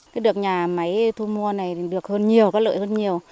cái được nhà máy thu mua này được hơn nhiều có lợi hơn nhiều